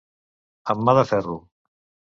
Amb mà de ferro.